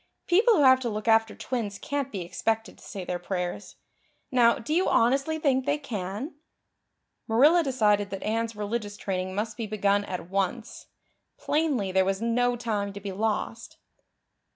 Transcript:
People who have to look after twins can't be expected to say their prayers. Now, do you honestly think they can?" Marilla decided that Anne's religious training must be begun at once. Plainly there was no time to be lost.